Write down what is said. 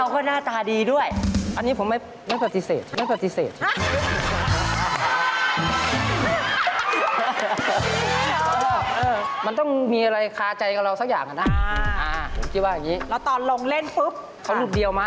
ก็เต็มที่เลย